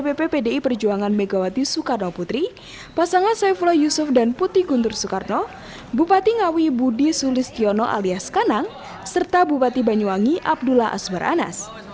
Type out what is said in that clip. dpp pdi perjuangan megawati soekarno putri pasangan saifullah yusuf dan putih guntur soekarno bupati ngawi budi sulistiono alias kanang serta bupati banyuwangi abdullah asbar anas